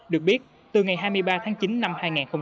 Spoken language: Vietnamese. được biết từ ngày hai mươi ba tháng chín năm hai nghìn một mươi năm